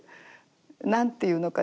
何て言うのかな